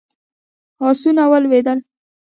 آسونه ولوېدل.